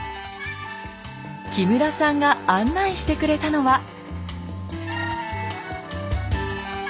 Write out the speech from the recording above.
木村さんが案内してくれたのは。